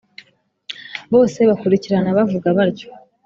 bose bakurikirana bavuga batyo,